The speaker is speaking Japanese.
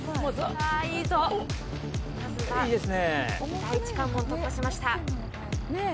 第１関門突破しました。